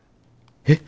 えっ？